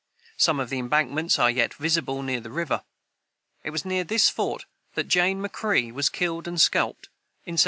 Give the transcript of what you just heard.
Some of the embankments are yet visible near the river. It was near this fort that Jane McCrea was killed and scalped, in 1777.